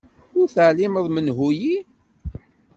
Ur teɛlimeḍ menhu-yi.